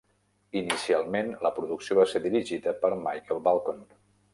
Inicialment, la producció va ser dirigida per Michael Balcon.